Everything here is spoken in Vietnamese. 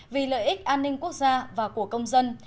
vì lợi ích an ninh quốc gia và của công dân